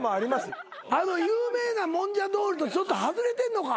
あの有名なもんじゃ通りとちょっと外れてんのか？